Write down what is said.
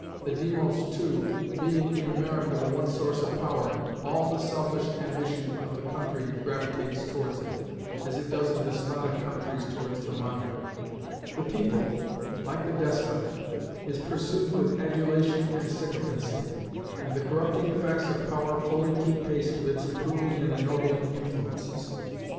The Demos, too, being in America the one source of power, all the selfish ambition of the country gravitates towards it, as it does in despotic countries towards the monarch; the People, like the despot, is pursued with adulation and sycophancy, and the corrupting effects of power fully keep pace with its improving and ennobling influences.